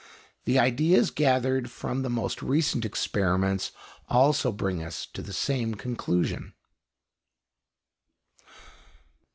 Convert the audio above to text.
The ideas gathered from the most recent experiments also bring us to the same conclusion.